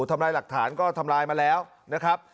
ทำลายหลักฐานก็ทำลายมาแล้วนะครับ